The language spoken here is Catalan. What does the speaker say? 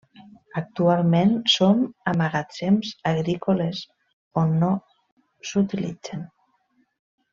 Actualment som a magatzems agrícoles o no s'utilitzen.